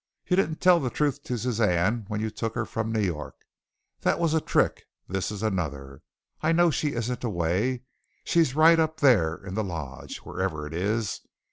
You didn't tell the truth to Suzanne when you took her from New York. That was a trick, and this is another. I know she isn't away. She's right up there in the lodge, wherever it is.